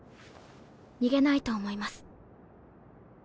逃げないと思います。